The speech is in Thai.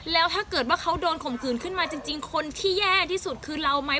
แล้วถ้าเกิดว่าเขาโดนข่มขืนขึ้นมาจริงคนที่แย่ที่สุดคือเราไหม